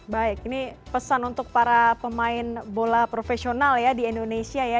baik ini pesan untuk para pemain bola profesional ya di indonesia ya